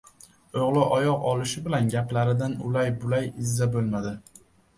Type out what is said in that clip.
O‘g‘li oyoq olishi bilan gaplaridan ulay-bulay izza bo‘lmadi.